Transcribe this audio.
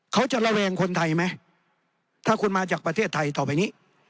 ระแวงคนไทยไหมถ้าคุณมาจากประเทศไทยต่อไปนี้